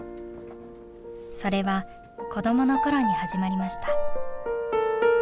それは子どもの頃に始まりました。